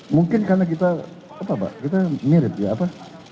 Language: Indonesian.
mungkin karena kita mirip ya apa